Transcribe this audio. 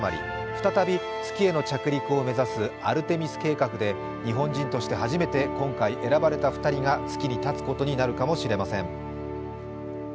再び、月への着陸を目指すアルテミス計画で日本人として初めて今回選ばれた２人が月に立つことになるかもしれません。